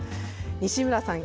西村さん